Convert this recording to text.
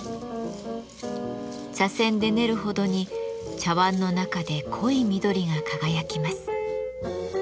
茶せんで練るほどに茶わんの中で濃い緑が輝きます。